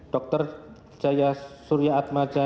dr jaya suryaat maja